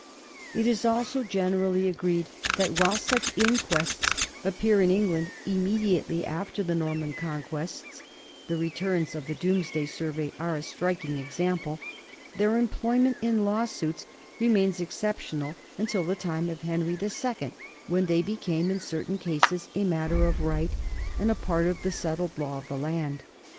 It is also generally agreed that while such inquests appear in England immedi ately after the Norman Conquest, the returns of the Domesday survey are a striking example, their em ployment in lawsuits remains exceptional until the time of Henry II, when they become in certain cases a matter of right and a part of the settled law of the land.